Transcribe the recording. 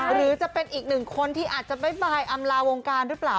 หรือจะเป็นอีกหนึ่งคนที่อาจจะบ๊ายอำลาวงการหรือเปล่า